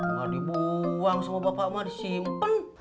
mak dibuang sama bapak mak disimpen